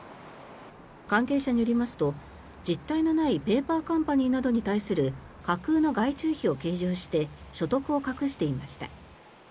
関係者によりますと実体のないペーパーカンパニーなどに対する架空の外注費を計上して所得を隠していました。